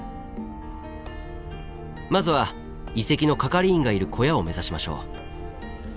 まずは遺跡の係員がいる小屋を目指しましょう。